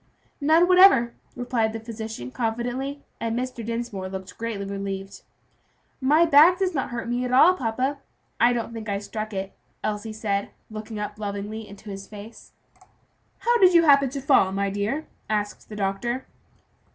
"None whatever," replied the physician confidently, and Mr. Dinsmore looked greatly relieved. "My back does not hurt me at all, papa; I don't think I struck it," Elsie said, looking up lovingly into his face. "How did you happen to fall, my dear?" asked the doctor.